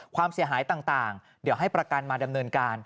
ความเสียหายต่างเดี๋ยวให้ประกันมาดำเนินการ